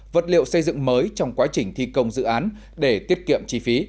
vật liệu xây dựng mới trong quá trình thi công dự án để tiết kiệm chi phí